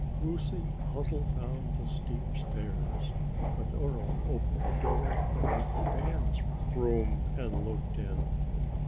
Lucy hustled down the steep stairs, but Dora opened the door of Uncle Dan's room and looked in.